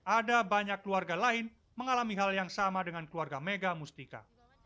ada banyak keluarga lain mengalami hal yang sama dengan keluarga mega mustika